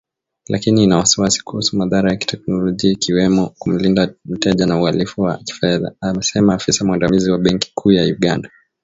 Lakini ina wasiwasi kuhusu madhara ya kiteknolojia ikiwemo kumlinda mteja na uhalifu wa kifedha, amesema afisa mwandamizi wa benki kuu ya Uganda